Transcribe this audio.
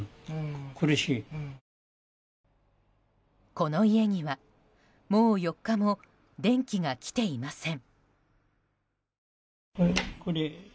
この家には、もう４日も電気が来ていません。